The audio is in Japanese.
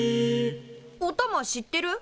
おたま知ってる？